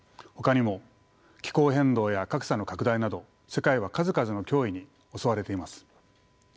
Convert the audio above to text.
ほかにも気候変動や格差の拡大など世界は数々の脅威に襲われています。